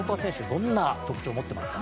どんな特徴を持ってますか？